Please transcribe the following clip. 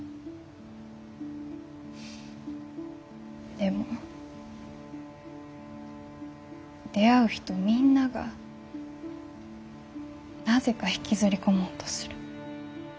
でも出会う人みんながなぜか引きずり込もうとする。